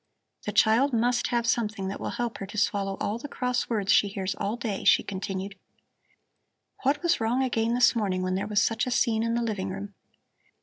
"The child must have something that will help her to swallow all the cross words she hears all day," she continued. "What was wrong again this morning, when there was such a scene in the living room?"